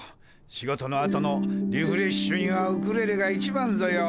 仕事のあとのリフレッシュにはウクレレが一番ぞよ。